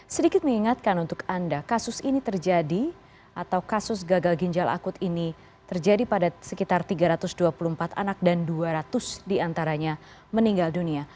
sedikit mengingatkan untuk anda kasus ini terjadi atau kasus gagal ginjal akut ini terjadi pada sekitar tiga ratus dua puluh empat anak dan dua ratus diantaranya meninggal dunia